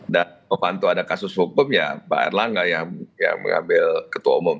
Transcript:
dan novanto ada kasus hukum ya pak erlangga yang mengambil ketua umum